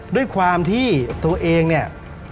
ด้วยความที่ตัวเองเนี่ย